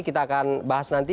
kita akan bahas nanti